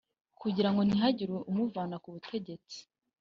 kugirango ntihazagire umuvana ku butegetsi